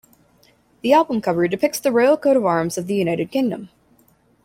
The album cover depicts the Royal coat of arms of the United Kingdom.